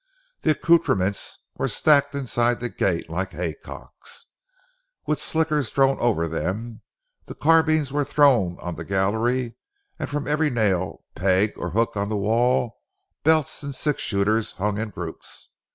The accoutrements were stacked inside the gate like haycocks, with slickers thrown over them; the carbines were thrown on the gallery, and from every nail, peg, or hook on the wall belts and six shooters hung in groups.